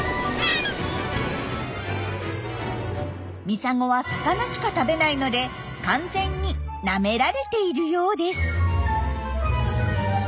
ミサゴは魚しか食べないので完全になめられているようです。